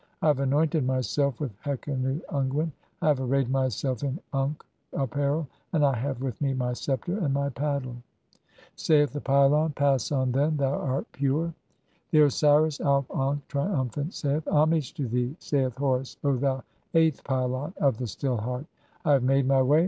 I have anointed myself with hekenu unguent, I "have arrayed myself in (28) unkh apparel, and I have with me "my sceptre and [my] paddle." [Saith the pylon :—] "Pass on, then, thou art pure." VIII. (29) The Osiris Auf ankh, triumphant, saith :— "Homage to thee, saith Horus, O thou eighth pylon of the "Still Heart. I have made [my] way.